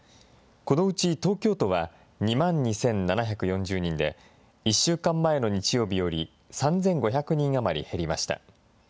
このうち東京都は２万２７４０人で、１週間前の日曜日より３５００人余り減りました。